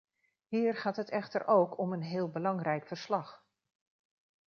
Hier gaat het echter ook om een heel belangrijk verslag.